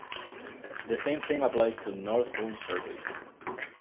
The same thing applies to Northbound service.